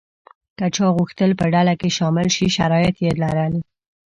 که چا غوښتل په ډله کې شامل شي شرایط یې لرل.